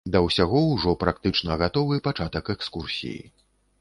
Да ўсяго, ужо практычна гатовы пачатак экскурсіі.